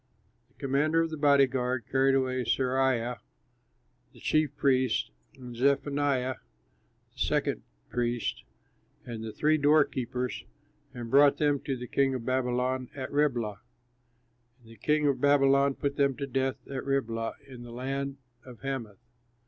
The commander of the body guard carried away Seraiah, the chief priest and Zephaniah, the second priest, and the three doorkeepers and brought them to the king of Babylon at Riblah. And the king of Babylon put them to death at Riblah in the land of Hamath.